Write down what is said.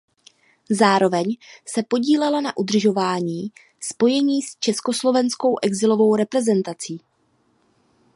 Zároveň se podílela na udržování spojení s československou exilovou reprezentací.